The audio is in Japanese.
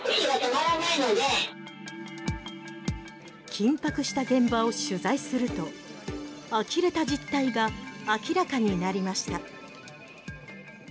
緊迫した現場を取材すると呆れた実態が明らかになりました。